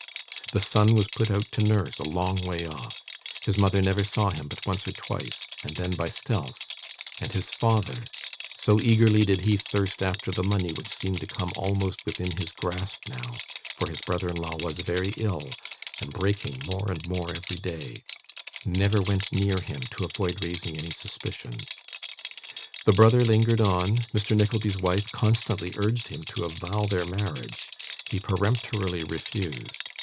The child was put out to nurse, a long way off; his mother never saw him but once or twice, and then by stealth; and his father so eagerly did he thirst after the money which seemed to come almost within his grasp now, for his brother in law was very ill, and breaking more and more every day never went near him, to avoid raising any suspicion. The brother lingered on; Mr. Nickleby's wife constantly urged him to avow their marriage; he peremptorily refused.